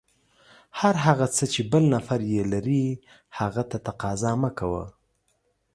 هر هغه څه چې بل نفر یې لري، هغه ته تقاضا مه کوه.